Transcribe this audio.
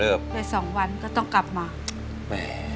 แล้วตอนนี้พี่พากลับไปในสามีออกจากโรงพยาบาลแล้วแล้วตอนนี้จะมาถ่ายรายการ